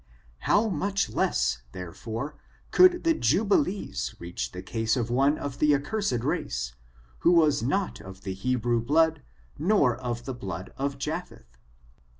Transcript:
How much less, therefore, could the jubilees reach the case of one of the accursed race, who was not of the Hebrew blood, nor of the blood of Japheth